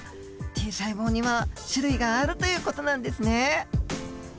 Ｔ細胞には種類があるという事なんですね。